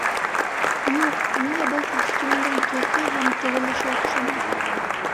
Юҡ, миңә был костюмдың төҫө һәм тегелеше оҡшамай